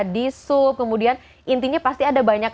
di sup kemudian intinya pasti ada banyak cara